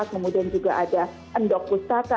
kemudian juga ada endok pustaka